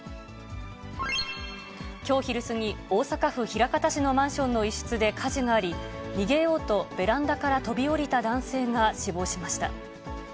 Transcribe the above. きょう昼過ぎ、大阪府枚方市のマンションの一室で火事があり、逃げようとベランダから飛び降りた男性が死亡しました。